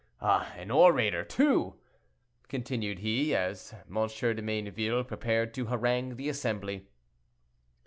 An orator, too!" continued he, as M. de Mayneville prepared to harangue the assembly.